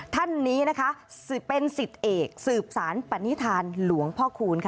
ท่านนี้นะคะเป็นสิทธิ์เอกสืบสารปณิธานหลวงพ่อคูณค่ะ